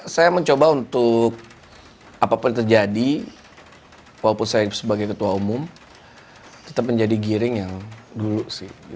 saya mencoba untuk apapun terjadi walaupun saya sebagai ketua umum tetap menjadi giring yang dulu sih